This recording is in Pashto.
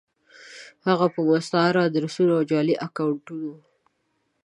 هفه په مستعارو ادرسونو او جعلي اکونټونو